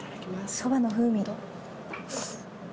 そばの風味が。